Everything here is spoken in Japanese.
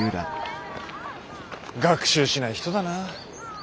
学習しない人だなあ。